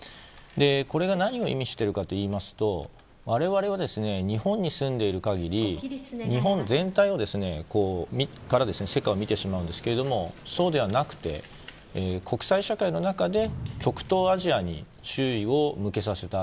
これが何を意味しているかといいますと、我々は日本に住んでいる限り日本全体から世界を見てしまうんですけどそうではなくて、国際社会の中で極東アジアに注意を向けさせた。